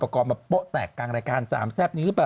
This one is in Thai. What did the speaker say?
กรมาโป๊ะแตกกลางรายการสามแซ่บนี้หรือเปล่า